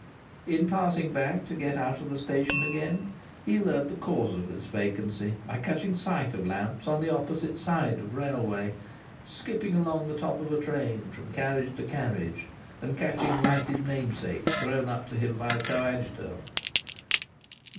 In passing back to get out of the station again, he learnt the cause of this vacancy, by catching sight of Lamps on the opposite line of railway, skipping along the top of a train, from carriage to carriage, and catching lighted namesakes thrown up to him by a coadjutor.